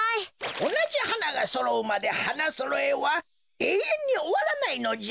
おなじはながそろうまで花そろえはえいえんにおわらないのじゃ。